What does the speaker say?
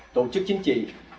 tổ chức chính trị